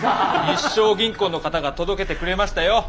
日章銀行の方が届けてくれましたよ。